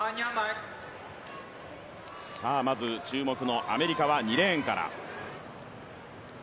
まず注目のアメリカは２レーンから。